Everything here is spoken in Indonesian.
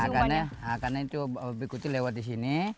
karena babi kutil lewat di sini